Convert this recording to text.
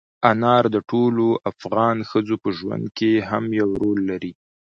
انار د ټولو افغان ښځو په ژوند کې هم یو رول لري.